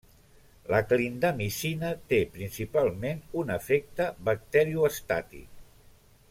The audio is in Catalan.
La clindamicina té principalment un efecte bacteriostàtic.